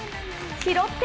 拾って！